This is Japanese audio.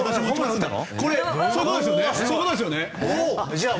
これ、そういうことですよね？